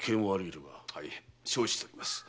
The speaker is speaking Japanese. はい承知しております。